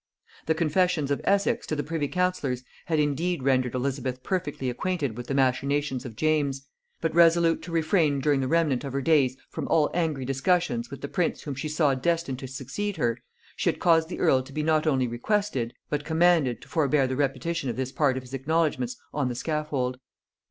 The confessions of Essex to the privy councillors had indeed rendered Elizabeth perfectly acquainted with the machinations of James; but resolute to refrain during the remnant of her days from all angry discussions with the prince whom she saw destined to succeed her, she had caused the earl to be not only requested, but commanded, to forbear the repetition of this part of his acknowledgements on the scaffold.